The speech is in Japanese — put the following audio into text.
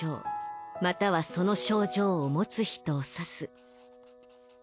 またはその症状を持つ人をさす。